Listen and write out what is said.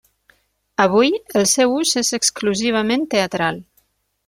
Avui, el seu ús és exclusivament teatral.